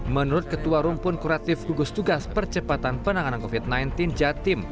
menurut ketua rumpun kuratif gugus tugas percepatan penanganan covid sembilan belas jatim